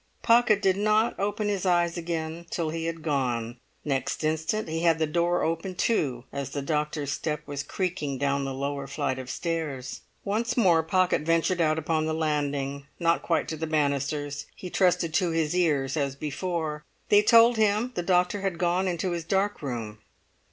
Pocket did not open his eyes again till he had gone; next instant he had the door open too, as the doctor's step was creaking down the lower flight of stairs. Once more Pocket ventured out upon the landing, not quite to the banisters; he trusted to his ears as before. They told him the doctor had gone into his dark room.